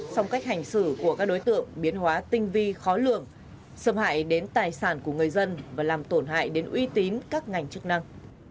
song cách hành xử của các đối tượng biến hóa tinh vi khó lượng xâm hại đến tài sản của người dân và làm tổn hại đến uy tín các ngành chức năng